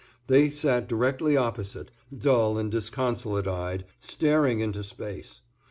They sat directly opposite, dull and disconsolate eyed, staring into space.